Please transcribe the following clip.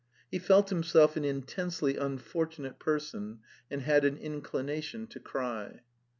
He felt himself an intensely unfortunate per son, and had an inclination to cry.